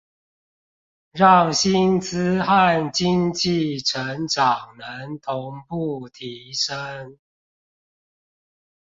讓薪資和經濟成長能同步提升